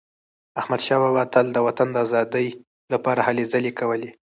احمدشاه بابا تل د وطن د ازادی لپاره هلې ځلي کولي.